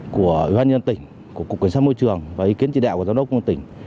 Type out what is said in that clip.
của ubnd tỉnh của cục cảnh sát môi trường và ý kiến chỉ đạo của giám đốc công an tỉnh